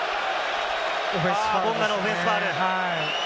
ボンガのオフェンスファウルですね。